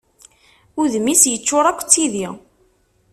Udem-is yeččur akk d tidi.